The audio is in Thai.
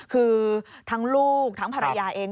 คือทั้งลูกทั้งภรรยาเอง